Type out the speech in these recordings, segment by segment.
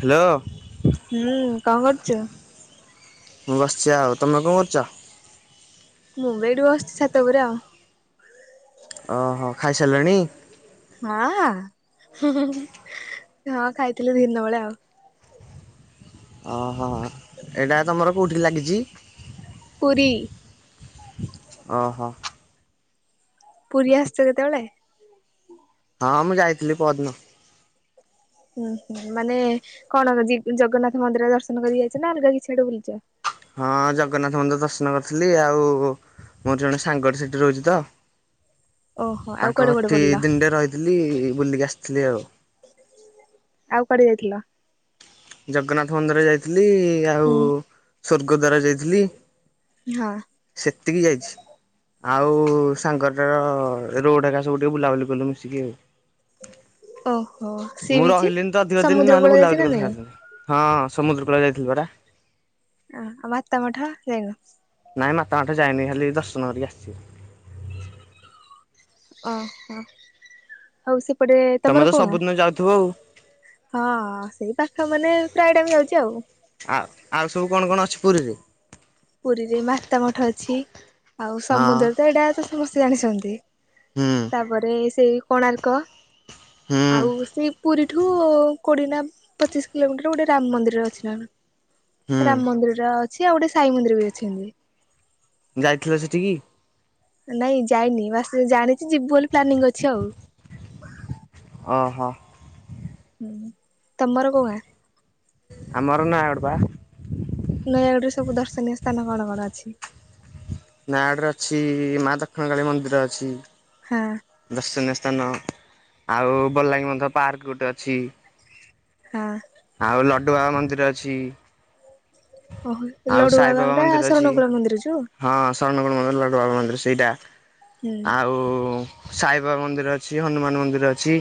Hello. ହୁଁ କଣ କରୁଛ? ମୁଁ ବସିଛି ଆଉ ତମେ କଣ କରୁଛ? ମୁ ବି ଏଇଠି ବସିଚି ଛାତ ଉପରେ ଆଉ। ଓହୋ ଖାଇସାରିଲେଣି? ହଁ, ହୁଁ ହୁଁ ହୁଁ ହଁ ଖାଇଥିଲି ଦିନ ବେଳେ ଆଉ। ଓ ହୋ। ଏଇଟା ତମର କେଉଁଠି ଲାଗିଛି? ପୁରୀ। ଓହୋ। ପୁରୀ ଆସୁଛ କେତେବେଳେ? ହଁ ହଁ ମୁଁ ଯାଇଥିଲି ପହଦିନ। ହୁଁ ହୁଁ ମାନେ କଣ ଦି ଜଗନ୍ନାଥ ମନ୍ଦିର ଦର୍ଶନ କରି ଯାଇଛ ନା ଅଲଗା କିଛିଆଡେ ବୁଲିଛ? ହଁ ହଁ ଜଗନ୍ନାଥ ମନ୍ଦିର ଦର୍ଶନ କରିଥିଲି। ଆଉ ମୋର ଜଣେ ସାଙ୍ଗରେ ସେଠି ରହୁଛି ତ। ଓହୋ ଆଉ ତାଙ୍କ କୁଆଡେ କୁଆଡେ ଘରଠି ବୁଲିଲ? ଦିନଟେ ରହିଥିଲି ବୁଲିକି ଆସିଥିଲି ଆଉ। ଆଉ କୁଆଡେ ଯାଇଥିଲ? ଜଗନ୍ନାଥ ମନ୍ଦିର ଯାଇଥିଲି। ଆ ହୁଁ। ସ୍ଵର୍ଗ ଦ୍ଵାର ଯାଇଥିଲି। ହଁ। ସେତିକି ଯାଇଛି। ଆଉ ସାଙ୍ଗଟାର ରୋଡ ଏକା ସବୁ ଟିକେ ବୁଲାବୁଲି କଲୁ ମିଶିକି ଆଉ। ଓହୋ ମୁଁ ସିଇ ବିଚ ରହିଲିନି ତ ଅଧିକ ଦିନ ସମୁଦ୍ର ନହେଲେ କୂଳ ବୁଲାବୁଲି ଯାଇଛ ନା କଲେ ନାଇଁ? ସାରିଥାନ୍ତି। ହଁ ସମୁଦ୍ର କୂଳ ଯାଇଥିଲି ପରା। ହଁ ଆଉ ମାତାମଠ ଯାଇନୁ? ନାଇଁ ମାତାମଠ ଯାଇନି ଖାଲି ଦର୍ଶନ କରିକି ଆସିଛି। ଓହୋ, ଆଉ ସେପଟେ ତମେ ତ ତମର କୋଉ ଗାଁ? ସବୁଦିନ ଯାଉଥିବ ଆଉ। ହଁ ସେଇ ପାଖ ମନେ ପ୍ରାୟ ଟାଇମ୍ ଯାଉଛି ଆଉ। ଆ ଆଉ ଆଉ ସବୁ କଣ କଣ ଅଛି ପୁରୀରେ? ପୁରୀରେ ମାତାମଠ ଅଛି। ଆଉ ହଁ ସମୁଦ୍ର ତ ଏଇଟା ତ ସମସ୍ତେ ଜାଣିଛନ୍ତି, ହୁଁ ତାପରେ ସେଇ କୋଣାର୍କ। ହୁଁ କ ଆଉ ସେ ପୁରୀଠୁ କୋଡ଼ିନା ପଚିଶ କିଲୋମିଟର ଗୋଟେ ରାମ ମନ୍ଦିର ଅଛି ନା କଣ? ହୁଁ ରାମ ମନ୍ଦିର ଟା ଅଛି, ଆଉ ଗୋଟେ ସାଇ ମନ୍ଦିର ବି ଅଛନ୍ତି। ଯାଇଥିଲ ସେଠିକି? ନାଇଁ ଯାଇନି ବାସ ଜାଣିଛି ଯିବୁ ବୋଲି ପ୍ଲାନିଂ ଅଛି ଆଉ। ଓ ହୋ। ହୁଁ, ତମର କଉ ଗାଁ? ଆମର ନୟାଗଡ ବା। ନୟାଗଡରେ ସବୁ ଦର୍ଶନୀୟ ସ୍ଥାନ କଣ କଣ ଅଛି? ନୟାଗଡ଼ରେ ଅଛି ମା ଦକ୍ଷ୍ମଣ କାଳୀ ମନ୍ଦିର ଅଛି। ହଁ। ଦର୍ଶନୀୟ ସ୍ଥାନ। ଆଉ ବଲାଙ୍ଗୀ ବନ୍ଧ ପାର୍କ ଗୋଟେ ଅଛି। ହଁ। ଆଉ ଲଡୁ ବାବା ମନ୍ଦିର ଅଛି। ଓହୋ ଆଉ ସାଇବାବା ଲଡୁବାବାଙ୍କ ଟା ମନ୍ଦିର ଅଛି। ଶରଣ କୂଳ ମନ୍ଦିର ଯଉ? ହଁ ସରଣକୂଳ ମନ୍ଦିର ଲଡୁବାବା ମନ୍ଦିର ସେଇଟା। ହୁଁ। ଆଉ ସାଇବାବା ମନ୍ଦିର ଅଛି ହନୁମାନ ମନ୍ଦିର ଅଛି।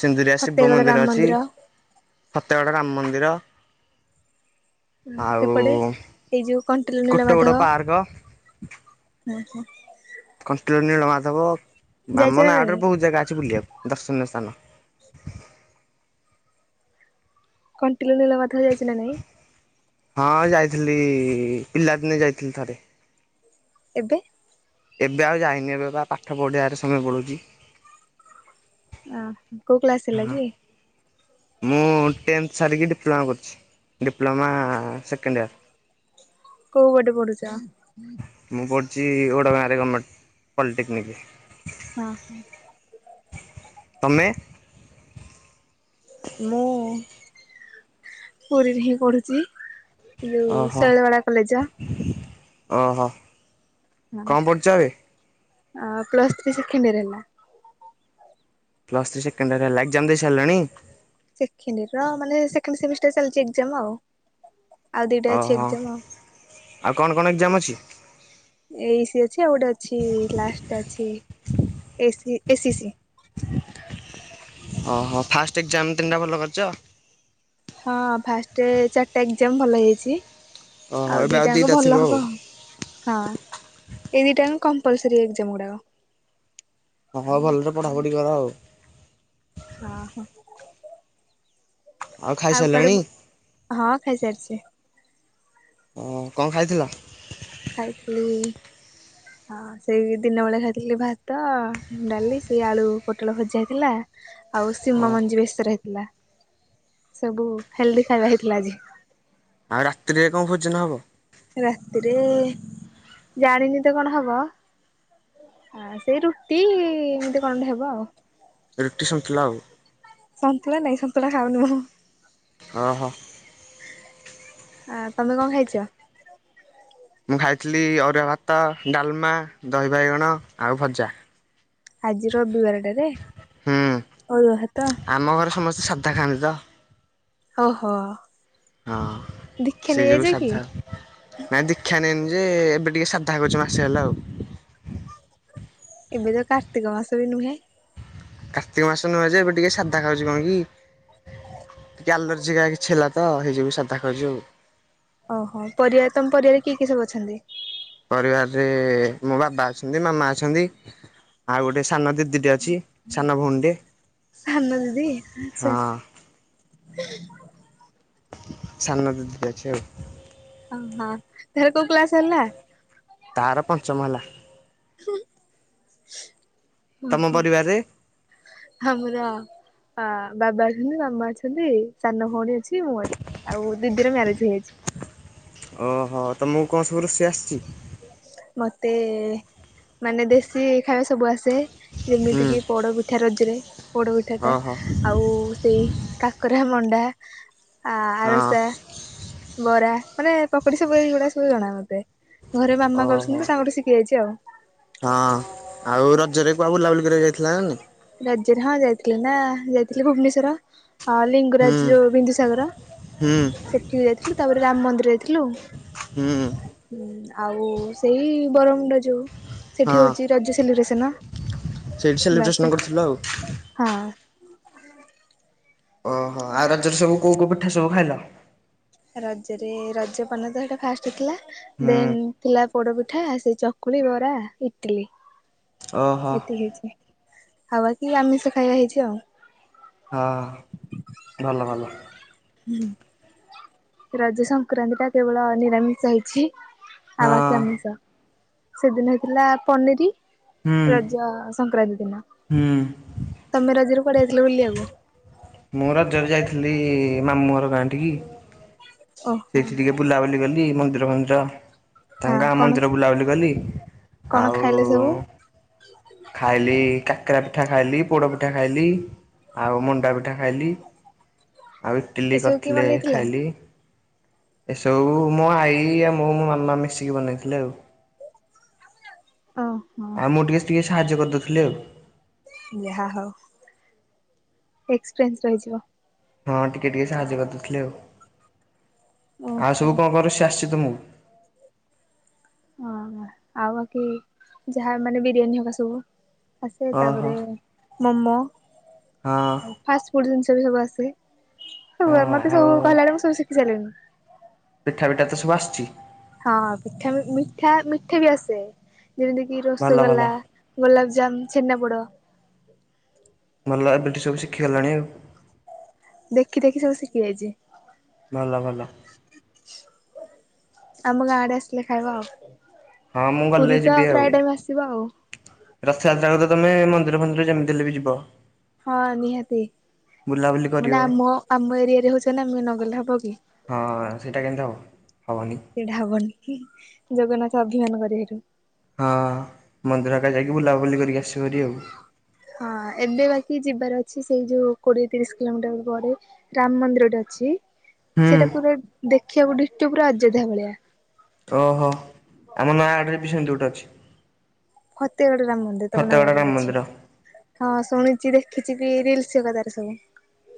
ସିନ୍ଦୁରିଆ ଶିବ ଫତେଗଡ ରାମ ମନ୍ଦିର ଅଛି। ଫତେଗଡ଼ ରାମ ମନ୍ଦିର। ହ ଆଉ ସେପଟେ ଏଇ ଯୋଉ କଣ୍ଟିଲ କୋଟଗଡ଼ ନୀଳମାଧବ ପାର୍କ ହୁଁ ହୁଁ। କଣ୍ଟିଲୋ ନୀଳମାଧବ ଆମ ଯାଇଛ ନା ନାଇଁ ନୟାଗଡରେ ବହୁତ ଜାଗା ଅଛି ବୁଲିବାକୁ ଦର୍ଶନୀୟ ସ୍ଥାନ। କଣ୍ଟିଲୋ ନୀଳମାଧବ ଯାଇଛନା ନାଇଁ? ହଁ ଯାଇଥିଲି ପିଲାଦିନେ ଯାଇଥିଲି ଥରେ। ଏବେ? ଏବେ ଆଉ ଯାଇନି ଏବେ ବା ପାଠ ପଢ଼ିବାରେ ସମୟ ପଳଉଛି। ଅ ହ କୋଉ କ୍ଲାସ ହେଲା କିି? ମୁଁ ଟେନ୍ଥ ସାରିକି ଡିପ୍ଲୋମା କରୁଛି। Diploma second year. କୋଉ ପଟେ ପଢୁଛ? ମୁଁ ପଢ଼ୁଛି ଓଡ଼ ଗାଁରେ ଗଭର୍ଣମେଣ୍ଟ ପଲିଟେକ୍ନିକରେ। ହଁ ହଁ। ତମେ? ମୁଁ ପୁରୀରେ ହିଁ ପଢୁଛି। ଯଉଁ ଶୈଳବାଳା କଲେଜ ଯାଅ? ଓ ହୋ। ହଁ। ପ୍ଲସ୍ ଥ୍ରୀ ସେକେଣ୍ଡ ୟର ହେଲା? ପ୍ଲସ୍ ଥ୍ରି ସେକେଣ୍ଡ ଇୟର ହେଲା। ଏକ୍ସାମ ଦେଇସାରିଲଣି? ସେକେଣ୍ଡ ଇୟର ମାନେ ସେକେଣ୍ଡ ସେମିଷ୍ଟାର ଚାଲିଚି ଏକ୍ସାମ୍ ଆଉ। ଆଉ ଦିଟା ଅଛି ଓହୋ ଏକ୍ସାମ ଆଉ। କଣ କଣ ଏକ୍ଜାମ ଅଛି? ଏଇସି ଅଛି ଆଉ ଗୋଟେ ଅଛି ଲାଷ୍ଟ ଅଛି ଏସି ଏ ସି ସି। ଓହୋ ଫାଷ୍ଟ ଏକ୍ଜାମ ତିନିଟା ଭଲ କରିଛ? ହଁ ଫାଷ୍ଟ ଚାରିଟା ଏକ୍ଜାମ ଭଲ ହେଇଛି ଓହୋ ଆଉ ଏବେ ଦିଟାଙ୍କ ଦିଟା ଥିବ ଭଲ ଆଉ। ହବ। ହଁ ଏ ଦିଟାକ କମ୍ପ୍ଲସରି ଏଗଜାମ ଗୁଡାକ ହଁ ହଁ ଭଲରେ ପଢ଼ାପଢ଼ି କର ଆଉ। ହଁ ହୋ ଆଉ କୁଆଡେ ହଁ ଖାଇସାରିଛି। ହ କଣ ଖାଇଥିଲ? ଖାଇଥିଲି ହଁ ସେଇ ଦିନ ବେଳେ ଖାଇଥିଲି ଭାତ ଡାଲି ସେ ଆଳୁ ପୋଟଳ ଭଜା ହେଇଥିଲା ଆଉ ଓ ସିମ ମଞ୍ଜି ବେସର ହେଇଥିଲା ସବୁ ହେଲଦି ଖାଇବା ହେଇଥିଲା ଆଜି। ଆଉ ରାତିରେ କଣ ଭୋଜନ ହବ? ରାତିରେ ଜାଣିନି ତ କଣ ହବ ହଁ ସେଇ ରୁଟି ଏମିତି କଣ ଗୋଟେ ହେବ ଆଉ। ରୁଟି ସନ୍ତୁଳା ଆଉ। ସନ୍ତୁଳା ନାଇଁ ସନ୍ତୁଳା ଖାଉନୁ ଉହୁ। ହଁ ହଁ। ଆ ତମେ କଣ ଖାଇଛ? ମୁଁ ଖାଇଥିଲି ଅରୁଆ ଭାତ ଡାଲମା ଦହି ବାଇଗଣ ଆଉ ଭଜା। ଆଜି ରବିବାରଟାରେ ହୁଁ ଅରୁଆ ଭାତ? ଆମ ଘର ସମସ୍ତେ ସାଧା। ଖାଆନ୍ତି ତ ଓହୋ। ହଁ ଦୀକ୍ଷା ସେଇ ନେଇଯାଇଛ ଯୋଗୁଁ କି? ସାଧା ନାଇଁ ଦୀକ୍ଷା ନାଇନି ଯେ ଏବେ ଟିକେ ସାଧା କରୁଛ ମାସେ ହେଲା ଆଉ। ଏବେ ତ କାର୍ତ୍ତିକ ମାସ ବି ନୁହେଁ। କାର୍ତ୍ତିକ ମାସ ନୁହେଁ ଯେ ଏବେ ଟିକେ ସାଧା ଖାଉଛି କଣ କି? ଟିକେ ଆଲର୍ଜି କା କିଛି ହେଲା ତ ହେଇଯିବ ସାଧା ଖାଉଛି ଆଉ। ଓହୋ ପରିବା ତମ ପରିବାରେ କିଏ କିଏ ସବୁ ଅଛନ୍ତି? ପରିବାରରେ ମୋ ବାବା ଅଛନ୍ତି ମାମା ଅଛନ୍ତି। ଆଉ ଗୋଟେ ସାନ ଦିଦିଟେ ଅଛି ସାନ ଭଉଣୀଟେ। ଆମ ଦିଦି ଆଚ୍ଛା। ହଁ ସାନ ଦିଦିି ଟେ ଅଛି ଆଉ। ଓହୋ ତାର କୋଉ କ୍ଲାସ ହେଲା? ତାର ପଞ୍ଚମ ହେଲା। ଓ ତମ ହୋ। ପରିବାରରେ ଆମର ହଁ ବାବା ଅଛନ୍ତି ମାମା ଅଛନ୍ତି ସାନ ଭଉଣୀ ଅଛି ମୁଁ ଅଛି। ଆଉ ଦିଦିର ମ୍ୟାରେଜ ହେଇଯାଇଛି। ଓହୋ ତମକୁ କଣ ସବୁ ରୋଷ ଆସିଛି? ମତେ ମାନେ ଦେଶୀ ଖାଇବା ସବୁ ଆସେ। ଯେମିତି ହୁଁ କିି ପୋଡପିଠା ରଜରେ ପୋଡପିଠା ଟା ଓହୋ ଆଉ ସେଇ କାକରା, ମଣ୍ଡା, ହଁ। ଆରସା। ବରା ମାନେ ପକୁଡି ସବୁ ଏଗୁଡା ସବୁ ଜଣା ମତେ ଘରେ ମାମା ଓହୋ କରୁଛନ୍ତି ତାଙ୍କ ଗୋଟେ ଶିଖି ଯାଇଛି ଆଉ। ହଁ ଆଉ ରଜରେ କୁଆଡେ ବୁଲାବୁଲି କରିବା ପାଇଁ ଯାଇଥିଲ ନା ନାଇଁ? ରାଜରେ ହଁ ଯାଇଥିଲି ନା ଯାଇଥିଲି ଭୁବନେଶ୍ଵର ହଁ ଲିଙ୍ଗ ହୁଁ ଙ୍ଗରାଜର ବିନ୍ଦୁସାଗର ହୁଁ ସେଠିକି ଯାଇଥିଲୁ ତାପରେ ରାମ ମନ୍ଦିର ଯାଇଥିଲୁ। ହୁଁ ହୁଁ ଆଉ ସେଇ ବରମୁଣ୍ଡା ଯୋଉ ସେଠି ହଁ ହଉଛି ରଜ ସେଲିବ୍ରେସନ। ସେଇଠି ବାସ୍ ସେଲିବ୍ରେସନ ସେଠି କରିଥିଲ ଆଉ। ହଁ। ଓହୋ ଆଉ ରଜରେ ସବୁ କୋଉ କୋଉ ପିଠା ସବୁ ଖାଇଲ? ରଜରେ ରଜ ପାନ ତ ସେଟା ଫାଷ୍ଟଇଥିଲା ହୁଁ ଦେନ ଥିଲା ପୋଡପିଠା ସେ ଚକୁଳି ବରା ଇଟିଲି ଓହୋ ଏତିକି ହେଇଛି। ଆଉ ବାକି ଆମିଷ ଖାଇବା ହେଇଛି ଆଉ। ହଁ ଭଲ ଭଲ। ହୁଁ ରଜ ସଂକ୍ରାନ୍ତି ଟା କେବଳ ନିରାମିଷ ହେଇଛି। ହଁ ଆଉ ବାକି ଆମିଷ ସେଦିନ ହେଇଥିଲା ପନିର ହୁଁ। ରଜ ସଂକ୍ରାନ୍ତି ଦିନ ହୁଁ। ତମେ ରଜ ରେ କୁଆଡେ ଯାଇଥିଲ ବୁଲିବାକୁ? ମୁଁ ରଜରେ ଯାଇଥିଲି ମାମୁଁ ଘର ଗାଁ ଟି କି। ଓହୋ ସେଇଠି ଟିକେ ବୁଲାବୁଲି କଲି ମନ୍ଦିର ଫନ୍ଦିର ତା ହଁ ଗାଁ କଣ ମନ୍ଦିର ବୁଲାବୁଲି କଲି। କଣ ଖାଇଲେ ଆଉ ସବୁ? ଖାଇଲି କାକରା ପିଠା ଖାଇଲି ପୋଡ ପିଠା ଖାଇଲି। ଆଉ ମଣ୍ଡା ପିଠା ଖାଇଲି ଆଉ ଇଟିଲି ଏସବୁ କିଏ କରିଥିଲେ ବନେଇଥିଲା? ଖାଇଲି। ଏସବୁ ମୋ ଆଇ ଆଉ ମୋ ମାମା ମିଶିକି ବନେଇଥିଲେ ଆଉ। ଓ ହୋ। ଆଉ ମୁଁ ଟିକେ ଟିକେ ସାହାଯ୍ୟ କରିଦଉ ଥିଲି ଆଉ। ଯାହା ହଉ ଏକ୍ସପ୍ରେନ୍ସ ରହିଯିବ। ହଁ ଟିକେ ଟିକେ ସାହାଯ୍ୟ କରିଦେଇଥିଲେ ଆଉ ଆଉ ଓହୋ ସବୁ କଣ କରୁ ସ ଆସିଛି ତୁମକୁ? ହଁ ଆଉ ବାକି ଯାହା ମାନେ ବିରିୟାନୀ ହବା ସବୁ ଆସେ ଓହୋ ତାପରେ ମ ମ ହଁ। ଫାଷ୍ଟଫୁଡ ଜିନିଷ ବି ସବୁ ଆସେ, ଅ ସବୁ ମତେ ଆଉ ସବୁ କହିଲା ବେଳେ ମୁଁ ସବୁ ଶିଖି ସାଇଲେଣିି। ପିଠା ପିଠା ତ ସବୁ ଆସିଛି? ହଁ ପିଠା, ମିଠା ମିଠା ବି ଆସେ ଯେମିତି କିି ଭଲ ଭଲ ରସଗୋଲା। ଗୋଲାପଜାମୁ, ଛେନାପୋଡ଼ ମୋ ଲଭ୍ ଏଠି ସବୁ ଶିଖି ଗଲାଣି ଆଉ। ଦେଖି ଦେଖି ସବୁ ଶିଖି ଯାଇଛି। ଭଲ ଭଲ। ଆମ ଗାଁ ଆଡେ ଆସିଲେ ଖାଇବ ଆଉ। ହଁ ମୁଁ ଗଲେ ପୁରୀ ତ ଯିବି ଆଉ ପ୍ରାୟ ଟାଇମ ଆସିବ ଆଉ। ରଥଯାତ୍ରାକୁ ତ ତମେ, ମନ୍ଦିର ଫନ୍ଦିର ଯେମିତି ହେଲେ ବି ଯିବ। ହଁ ନିହାତି, ବୁଲାବୁଲି ମାନେ କରିବ ଆମ ଆମ ଏରିଆରେ ହଉଛ ନା ମୁଁଇ ନଗଲେ ହବ କି? ହଁ ସେଇଟା କେମିତି ହବ, ହବନି? ସେଇଟା ହବନି, ଜଗନ୍ନାଥ ଅଭିମାନ କରିବେ ହେଠୁ। ହଁ ମନ୍ଦିର ହେକା ଯାଇକି, ବୁଲାବୁଲି କରିକି ଆସିବୁ ଭାରି ଆଉ। ହଁ ଏବେ ବାକି ଯିବାର ଅଛି, ସେଇ ଯୋଉ କୋଡିଏ ତିରିଶ କିଲୋମିଟର ପରେ ରାମ ମନ୍ଦିରଟେ ଅଛି, ହୁଁ ସେଇଟା ପୁରା ଦେଖିଆକୁ ଡିଟୋ ପୁରା ଅଯୋଧ୍ୟା ଭଳିଆ। ଓ ହୋ ଆମ ନୟାଗଡ଼ରେ ବି ସେମିତି ଗୋଟେ ଅଛି। ଫତେଗଡ ରାମ ମନ୍ଦିର, ତମ ଫତେଗଡ଼ ରାମ ନୟାଗଡରେ ଅଛି। ମନ୍ଦିର। ହଁ ଶୁଣିଛି, ଦେଖିଛି ବି ରିଲସ ହେକା ତାର ସବୁ।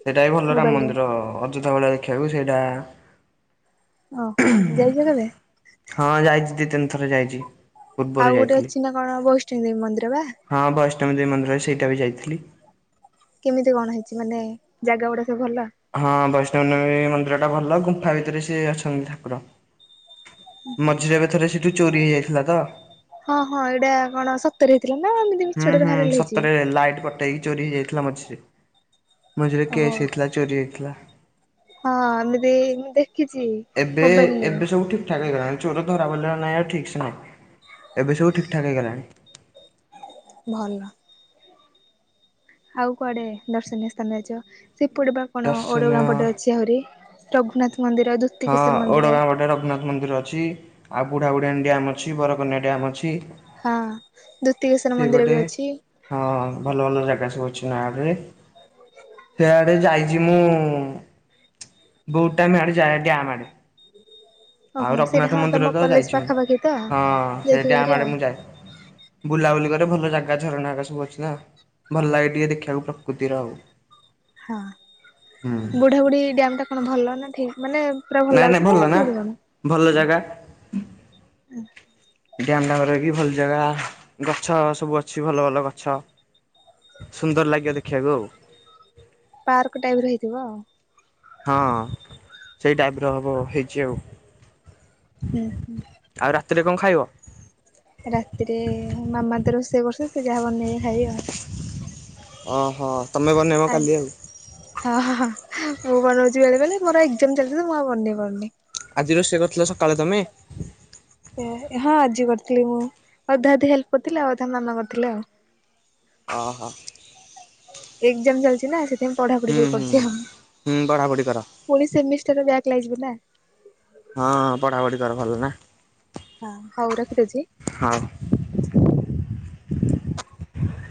ସେଇଟା ବି ଭଲ ରାମ ମୋବାଇଲରେ। ମନ୍ଦିର, ଅଯୋଧ୍ୟା ଭଳିଆ ଦେଖିଆକୁ। ସେଇଟା ଓ ହୋ ଯାଇଛ କେବେ? ହଁ ଯାଇଛି ଦି ତିନି ଥର ଯାଇଛି। ପୂର୍ବରୁ ଆଉ ଗୋଟେ ଯାଇଥିଲି ଅଛି ନା କଣ ବୈଷ୍ଣୀଦେବୀ ମନ୍ଦିର ବା? ହଁ ବୈଷ୍ଣବ ଦେବୀ ମନ୍ଦିର, ସେଇଟା ବି ଯାଇଥିଲି। କେମିତି କଣ ହେଇଛି, ମାନେ ଜାଗା ଗୁଡା ସବୁ ଭଲ? ହଁ ବୈଷ୍ଣବ ଦେବୀ ମନ୍ଦିରଟା ଭଲ, ଗୁମ୍ଫା ଭିତରେ ସିଏ ଅଛନ୍ତି ଠାକୁର। ମଝିରେ ଏବେ ଥରେ ସେଠୁ ଚୋରି ହେଇଯାଇଥିଲା ତ। ହଁ- ହଁ ଏଇଟା କଣ ସତରେ ହେଇଥିଲା ନା? ଏମ୍ ହୁଁ- ହୁଁ ସତରେ ଲାଇଟ୍ ପ କେଇ ଚୋରି ହେଇଯାଇଥିଲା ମଝିରେ, ମଝିରେ ଓହୋ। କେସ୍ ହେଇଥିଲା ଚୋରି ହେଇଥିଲା। ହଁ ଏମିତି ମୁଁ ଦେଖିଛି। ଏବେ ମୋବାଇଲରୁ ଏବେ ସବୁ ଠି ଠିକଠାକ ହେଇଗଲାଣି। ଚୋର ଧରା ପଇଲାଣି ନା ନାହିଁ ଆଉ ଠିକ୍ ସେ ନାଇଁ, ଏବେ ସବୁ ଠିକଠାକ ହେଇଗଲାଣି। ଭଲ। ଆଉ କୁଆଡେ ଦର୍ଶନୀୟ ସ୍ଥାନରେ ଯାଇଛ? ସେପଟେ ବା କଣ ଦର୍ଶନୀୟ ଓଡଗାଁ ପଟେ ଅଛି ଆହୁରି ରଘୁନାଥ ମନ୍ଦିର ଦୁ ହଁ ଓଡଗାଁ ପଟେ ରଘୁନାଥ ମନ୍ଦିର ଅଛି, ଆଉ ବୁଢାବୁଢିଆଣି ଡ୍ୟାମ ଅଛି, ବରକନିଆ ଡ୍ୟାମ ଅଛି। ହଁ ଦୁତିକେଶ୍ୱର ସେ ମନ୍ଦିର ଗୋଟେ ବି ଅଛି। ହଁ ଭଲ ଭଲ ଜାଗା ସବୁ ଅଛି ନାରେ। ସେଆଡେ ଯାଇଛି ମୁଁ, ବହୁତ ଟାଇମ ଆଡେ ଯାଏ ଡ୍ୟାମ୍ ଆଡେ। ଆଉ ଓହୋ ସେଇଟା ରଘୁନାଥ ହଁ ମନ୍ଦିର ତମ ତ କଲେଜ ଯାଇଛି ମୁଁ, ପାଖାପାଖି ତ ହଁ ସେ ଯାଇଥିବ ଭାରି ଡ୍ୟାମ ଆଡେ ଆଉ। ମୁଁ ଯାଏ। ବୁଲାବୁଲି କରେ, ଭଲ ଜାଗା ଝରଣା ହେକା ସବୁ ଅଛି ନା। ଭଲ ଲାଗେ ଟିକେ ଦେଖିଆକୁ ପ୍ରକୃତିର ଆଉ। ହଁ ବୁଢାବୁଢ଼ୀ ଡ୍ୟାମଟା କଣ ଭଲ ନା ଠିକ? ମାନେ ପୁରା ନାଇଁ ନାଇଁ ଲାଗୁଛି ଭଲ ନା, କେମିତି କଣ? ଭଲ ଜାଗା। ଡ୍ୟାମ୍ [unintelligible] ର ବି ଭଲ ଜାଗା, ଗଛ ସବୁ ଅଛି ଭଲ ଭଲ ଗଛ। ସୁନ୍ଦର ଲାଗିବ ଦେଖିବାକୁ ଆଉ। ପାର୍କ ଟାଇପିର ହେଇଥିବ ଆଉ। ହଁ ସେଇ ଟାଇପର ହବ ହେଇଛି ଆଉ। ଓ ହୋ। ଆଉ ରାତିରେ କଣ ଖାଇବ? ରାତିରେ ମାମା ତ ରୋଷେଇ ବସେଇବି ସେ ଯାହା ବନେଇକି ଖାଇବି ଆଉ। ଓ ହୋ ତମେ ବନେଇବ ଆ କାଲି ଆଉ। ହଁ ହଁ ମୁଁ ବନଉଛି ବେଳେ ବେଳେ ମୋର ଏକ୍ସାମ ଚାଲିଛି ତ ମୁଁ ଆଉ ବନେଇ ପାରୁନି। ଆଜି ରୋଷେଇ କରିଥିଲ ସକାଳେ ତମେ? ହଁ ଆଜି କରିଥିଲି ମୁଁ ଅଧେ ଅଧେ ହେଲ୍ପ କରିଥିଲି ଆଉ ଅଧେ ମାମା କରିଥିଲେ ଆଉ। ଅ ହ। ଏକ୍ସାମ ଚାଲିଛି ନା ସେଥିପାଇଁ ପଢାପଢି ହୁଁ ଟିକେ ହୁଁ କରୁଛି ଆଉ। ହୁଁ ବଢ଼ାବଢ଼ି କର। ପୁଣି ସେମିଷ୍ଟର ବ୍ୟାକ ଲାଗି ଗଲା? ହଁ ପଢ଼ାପଢ଼ି କର ଭଲ ନା। ହଁ ହଉ ରଖିଦେଉଛି? ହଁ।